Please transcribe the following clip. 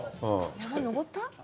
山、登った？